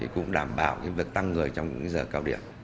cũng đảm bảo việc tăng người trong giờ cao điểm